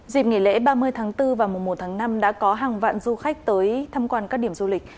dịp nghỉ lễ ba mươi tháng bốn và mùa một tháng năm đã có hàng vạn du khách tới thăm quan các điểm du lịch